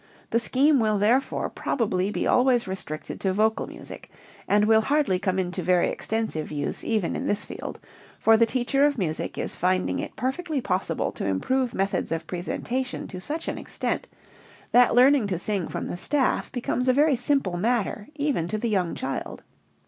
The scheme will therefore probably be always restricted to vocal music and will hardly come into very extensive use even in this field, for the teacher of music is finding it perfectly possible to improve methods of presentation to such an extent that learning to sing from the staff becomes a very simple matter even to the young child.